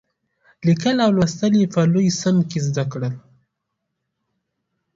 لیکل او لوستل یې په لوی سن کې زده کړل.